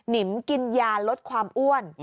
นิมกินยาลดความอ้วน